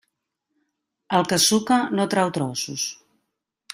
El que suca no trau trossos.